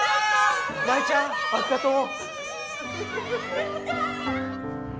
舞ちゃんあっがとう。